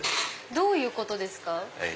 どういうことですか？